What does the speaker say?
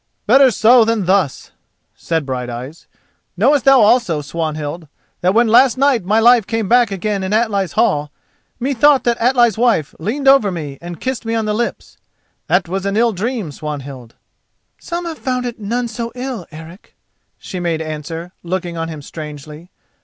"Better so than thus," said Brighteyes. "Knowest thou also, Swanhild, that when last night my life came back again in Atli's hall, methought that Atli's wife leaned over me and kissed me on the lips? That was an ill dream, Swanhild." "Some had found it none so ill, Eric," she made answer, looking on him strangely.